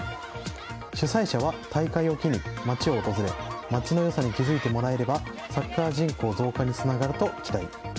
主催者は大会を機に町を訪れ町の良さに気付いてもらえればサッカー人口増加につながると期待。